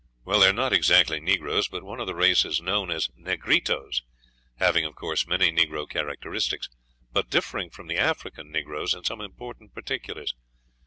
"They are not exactly negroes, but one of the races known as negritos, having, of course, many negro characteristics, but differing from the African negroes in some important particulars.